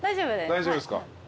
大丈夫です。